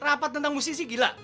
rapat tentang musisi gila